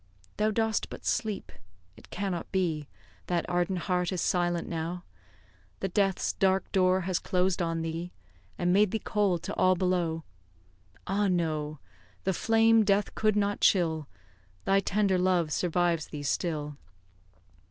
Thou dost but sleep! It cannot be That ardent heart is silent now That death's dark door has closed on thee; And made thee cold to all below. Ah, no! the flame death could not chill, Thy tender love survives thee still.